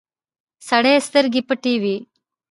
سړي سترګې پټې وې.